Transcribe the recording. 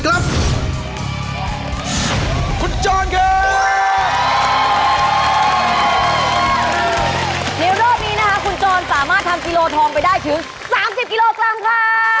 ในรอบนี้นะคะคุณโจรสามารถทำกิโลทองไปได้ถึง๓๐กิโลกรัมค่ะ